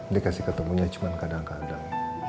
dikasih ketemunya cuma kadang kadang